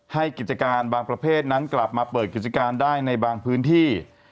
กิจการบางประเภทนั้นกลับมาเปิดกิจการได้ในบางพื้นที่